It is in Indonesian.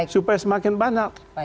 supaya semakin banyak